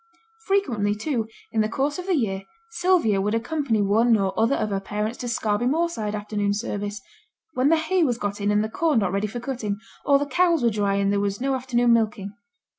Frequently, too, in the course of the year, Sylvia would accompany one or other of her parents to Scarby Moorside afternoon service, when the hay was got in, and the corn not ready for cutting, or the cows were dry and there was no afternoon milking.